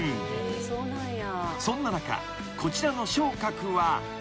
［そんな中こちらの翔鶴は］